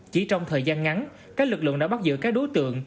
chỉ trong thời gian ngắn các lực lượng đã bắt giữ các đối tượng